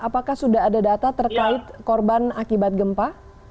apakah sudah ada data terkait korban akibat gempa